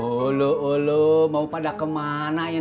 ulu ulu mau pada kemana ya